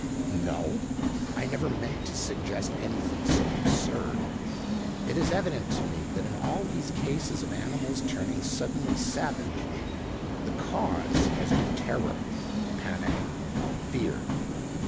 "No; I never meant to suggest anything so absurd. It is evident to me that in all these cases of animals turning suddenly savage the cause has been terror, panic, fear.